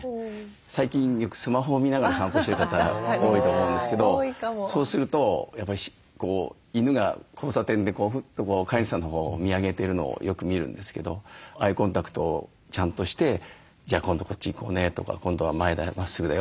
最近よくスマホを見ながら散歩してる方が多いと思うんですけどそうするとやっぱり犬が交差点でフッと飼い主さんのほうを見上げてるのをよく見るんですけどアイコンタクトをちゃんとして「じゃあ今度こっち行こうね」とか「今度は前だよ。